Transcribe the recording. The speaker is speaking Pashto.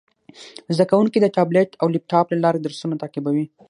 زده کوونکي د ټابلیټ او لپټاپ له لارې درسونه تعقیبوي.